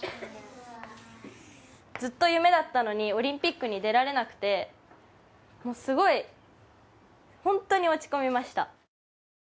ずっと夢だったのにオリンピックに出られなくてもうすごい、本当に落ち込みました。